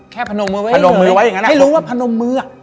แค่พนมมือไว้อย่างนั้นแหละพนมมือ